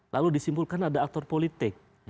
lalu disimpulkan ada aktor politik